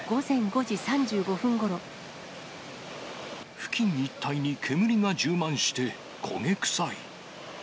付近一帯に煙が充満して焦げ臭い。